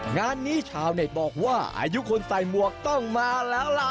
งานนี้ชาวเน็ตบอกว่าอายุคนใส่หมวกต้องมาแล้วล่ะ